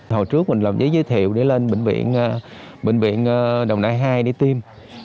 hồi trước mình làm giấy giới thiệu để lên bệnh viện đồng đại hai để tiêm